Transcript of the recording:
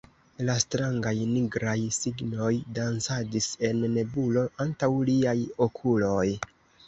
la strangaj nigraj signoj dancadis en nebulo antaŭ liaj okuloj.